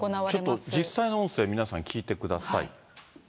ちょっと、実際の音声、皆さん、聞いてください。